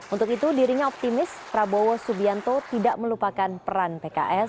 untuk itu dirinya optimis prabowo subianto tidak melupakan peran pks